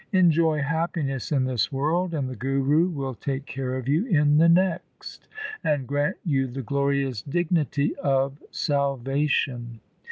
Enjoy happiness in this world, and the Guru will take care of you in the next, and grant you the glorious dignity of salvation.